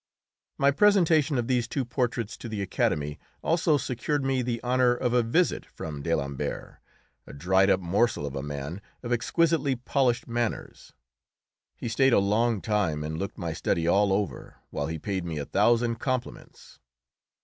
My presentation of these two portraits to the Academy also secured me the honour of a visit from d'Alembert, a dried up morsel of a man of exquisitely polished manners. He stayed a long time and looked my study all over, while he paid me a thousand compliments.